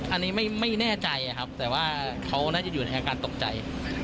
อันนี้ไม่แน่ใจครับแต่ว่าเขาน่าจะอยู่ในอาการตกใจ